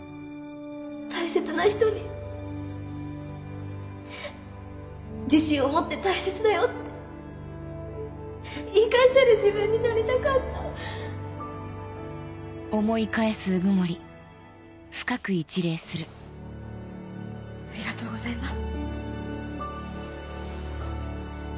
大切な人に自信を持って「大切だよ」って言い返せる自分になりたかったありがとうございます。